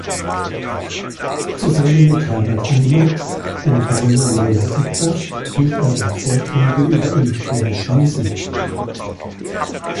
Zusammen mit Herbert Eimert und Werner Meyer-Eppler hielt er dort Vorträge über Elektronische Musik.